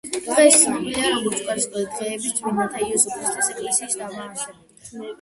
დღეს ცნობილია როგორც უკანასკნელი დღეების წმინდანთა იესო ქრისტეს ეკლესიის დამაარსებელი.